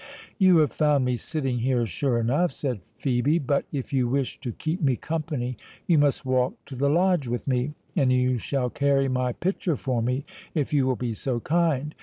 "You have found me sitting here sure enough," said Phœbe; "but if you wish to keep me company, you must walk to the Lodge with me; and you shall carry my pitcher for me, if you will be so kind.